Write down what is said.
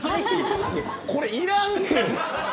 これ、いらんって。